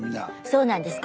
そうなんです。